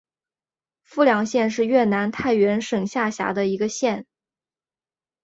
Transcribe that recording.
富良县是越南太原省下辖的一个县。